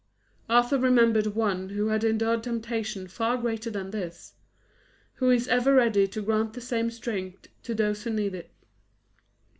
Arthur remembered One who had endured temptation far greater than this; Who is ever ready to grant the same strength to those who need it.